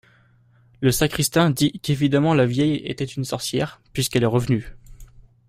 Le sacristain dit qu'évidemment la vieille était une sorcière, puisqu'elle est revenue.